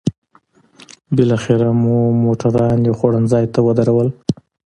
بالاخره مو موټران یو خوړنځای ته ودرول.